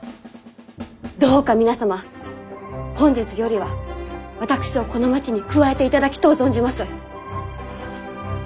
どうか皆様本日よりは私をこの町に加えていただきとう存じます。